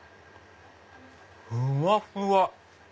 ふわふわ！